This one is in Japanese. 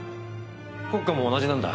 国家も同じなんだ。